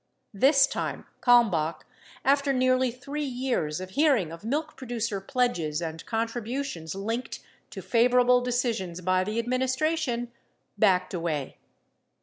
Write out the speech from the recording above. This time Kalmbach — after nearly 3 years of hearing of milk producer pledges and contributions linked to favorable decisions by the admin istration — backed away.